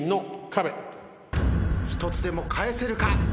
１つでも返せるか？